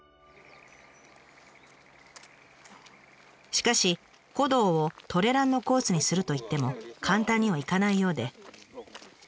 しかし古道をトレランのコースにするといっても簡単にはいかないようで。